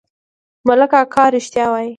ملک اکا رښتيا وايي.